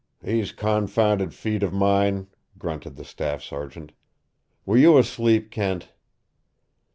"These confounded feet of mine!" grunted the staff sergeant. "Were you asleep, Kent?"